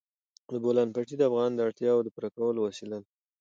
د بولان پټي د افغانانو د اړتیاوو د پوره کولو وسیله ده.